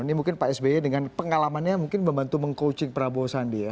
ini mungkin pak sby dengan pengalamannya mungkin membantu meng coaching prabowo sandi ya